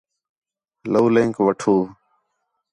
لَولینک وَٹّھو